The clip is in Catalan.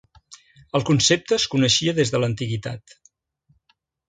El concepte es coneixia des de l'antiguitat.